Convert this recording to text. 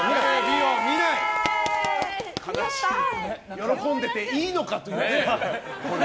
喜んでていいのかっていうね。